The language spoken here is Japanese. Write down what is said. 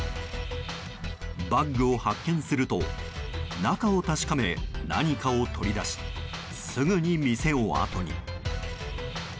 バッグを発見すると中を確かめ、何かを取り出しすぐに店をあとに。